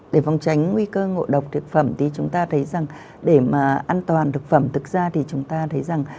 để phòng tránh nguy cơ ngộ độc thực phẩm thì chúng ta thấy rằng để mà an toàn thực phẩm thực ra thì chúng ta thấy rằng